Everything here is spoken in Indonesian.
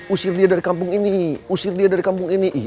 usir dia dari kampung ini